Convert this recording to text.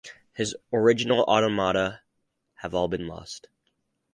His original automata have all been lost.